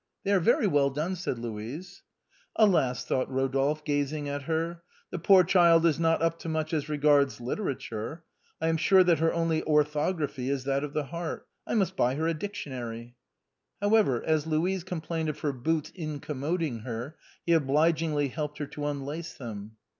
" They are very well done," said Louise. " Alas !" thought Rodolphe, gazing at her, " the poor child is not up to much as regards literature. I am sure LENTEN LOVES. 53 that her only orthograpliy is that of the heart. I must buy her a dictionary." However, as Louise complained of her boots incommod ing her, he obligingly helped her to unlace them.